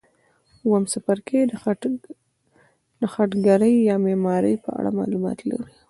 اووم څپرکی د خټګرۍ یا معمارۍ په اړه معلومات لري.